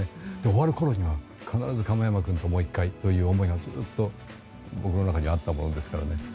終わるころには必ず亀山君ともう１回という思いがずっと僕の中にあったものですからね。